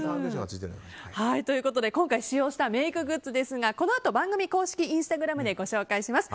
今回、使用したメイクグッズですがこのあと番組公式インスタグラムでご紹介します。